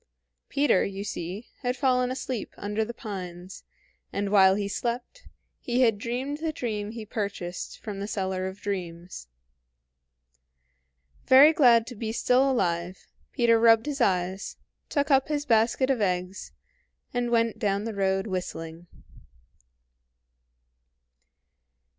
Peter, you see, had fallen asleep under the pines, and while he slept, he had dreamed the dream he purchased from the seller of dreams. Very glad to be still alive, Peter rubbed his eyes, took up his basket of eggs, and went down the road whistling.